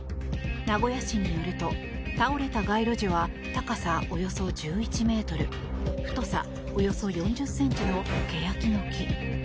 名古屋市によると倒れた街路樹は高さ、およそ１１ｍ太さ、およそ４０ｃｍのケヤキの木。